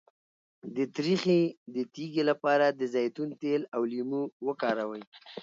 د تریخي د تیږې لپاره د زیتون تېل او لیمو وکاروئ